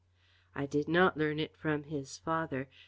I did not learn it from his father.